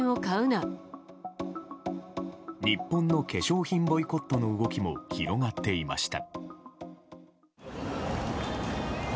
日本の化粧品ボイコットの動きも広がっていました。